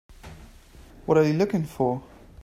What are you looking for?